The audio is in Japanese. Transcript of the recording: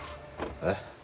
えっ？